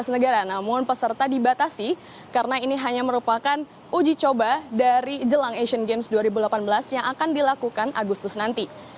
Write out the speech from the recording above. namun peserta dibatasi karena ini hanya merupakan uji coba dari jelang asian games dua ribu delapan belas yang akan dilakukan agustus nanti